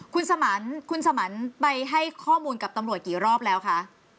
คุณสมันคุณสมันไปให้ข้อมูลกับตำรวจกี่รอบแล้วคะ